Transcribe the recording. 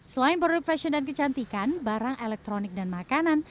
selain produk fashion dan kecantikan barang elektronik dan makanan